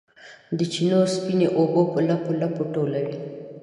د چینو سپینې اوبه په لپو، لپو ټولوي